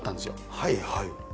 はいはい。